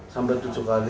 sampai tujuh kali